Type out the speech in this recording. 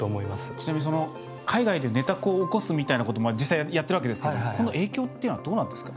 ちなみにその海外で寝た子を起こすみたいなこと実際、やってるわけですけどもこの影響っていうのはどうなんですか？